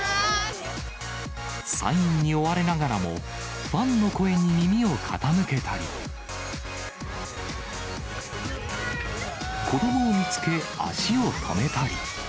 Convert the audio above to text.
サインに追われながらも、ファンの声に耳を傾けたり、子どもを見つけ、足を止めたり。